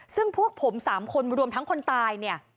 ซึ่งพวกผม๓คนรวมทั้งคนตายเนี่ย